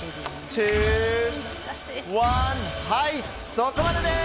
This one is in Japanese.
そこまでです！